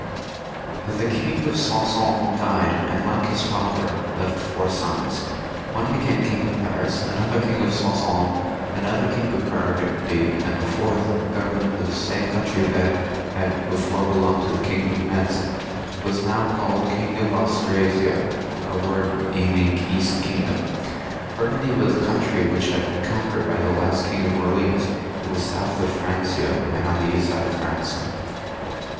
The King of Soissons died, and, like his father, left four sons. One became King of Paris, another King of Soissons, another King of Burgundy, and the fourth, who governed the same country that had before belonged to the 22 THE MEROVINGIAN KINGS. [CH. King of Metz, was now called King of Austrasia, a word meamng east kingdom. Buigundy waa a country which had been conquered by the last king of Orleans ; it was south of Francia, and on the east side of France.